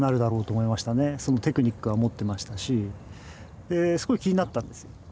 テクニックは持ってましたしすごい気になったんですよ。